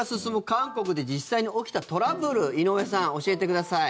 韓国で実際に起きたトラブル井上さん、教えてください。